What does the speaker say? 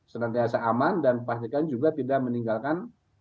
secara biasa aman dan pastikan juga tidak meninggalkan